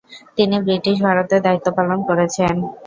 তিনি ব্রিটিশ ভারতে দায়িত্বপালন করেছেন।